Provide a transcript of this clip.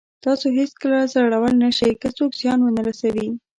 تاسو هېڅکله زړور نه شئ که څوک زیان ونه رسوي.